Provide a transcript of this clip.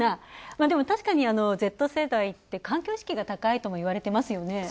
でも、確かにＺ世代って環境意識が高いといわれていますよね。